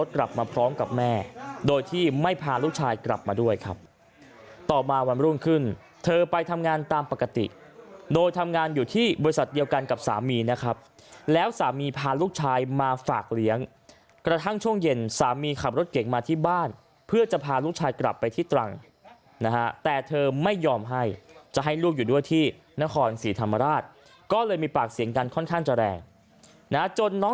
กลับมาพร้อมกับแม่โดยที่ไม่พาลูกชายกลับมาด้วยครับต่อมาวันรุ่งขึ้นเธอไปทำงานตามปกติโดยทำงานอยู่ที่บริษัทเดียวกันกับสามีนะครับแล้วสามีพาลูกชายมาฝากเลี้ยงกระทั่งช่วงเย็นสามีขับรถเก่งมาที่บ้านเพื่อจะพาลูกชายกลับไปที่ตรังนะฮะแต่เธอไม่ยอมให้จะให้ลูกอยู่ด้วยที่นครศรีธรรมราชก็เลยมีปากเสียงกันค่อนข้างจะแรงนะจนน้อง